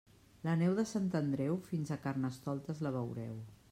La neu de Sant Andreu fins a Carnestoltes la veureu.